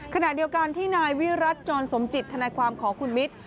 ขณะเดียวกันที่นายวิรัติจรสมจิตธนายความของคุณมิตร